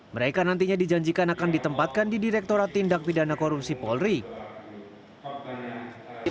mereka nantinya dijanjikan akan ditempatkan di direkturat tindak pidana korupsi polri